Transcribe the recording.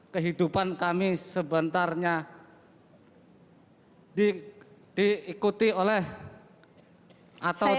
kehidupan kami sebenarnya diikuti oleh atau